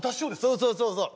そうそうそうそう。